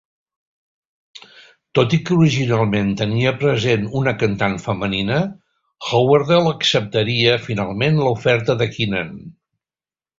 Tot i que originalment tenia present una cantant femenina, Howerdel acceptaria finalment l'oferta de Keenan.